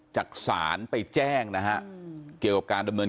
จากศาลไปแจ้งนะฮะเกี่ยวกับการดำเนิน